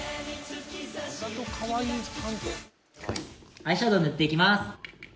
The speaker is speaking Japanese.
アイシャドウ塗っていきます。